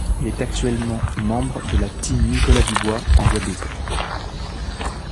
Il est actuellement membre de la Team Nicolas Dubois, en Guadeloupe.